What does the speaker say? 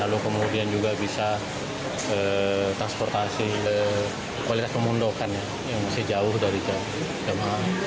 lalu kemudian juga bisa transportasi kualitas kemundokan yang masih jauh dari jemaah